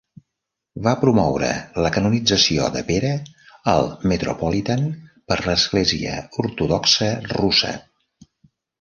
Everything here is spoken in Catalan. Va promoure la canonització de Pere al Metropolitan per l'Església Ortodoxa Russa.